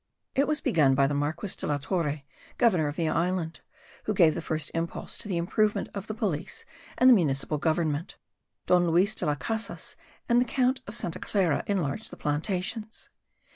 It was begun by the Marquis de la Torre, governor of the island, who gave the first impulse to the improvement of the police and the municipal government. Don Luis de las Casas and the Count de Santa Clara enlarged the plantations.